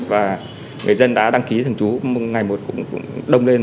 và người dân đã đăng ký thằng chú ngày một cũng đông lên